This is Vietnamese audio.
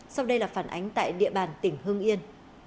sau đây là phản ánh tại địa bàn tỉnh hương yên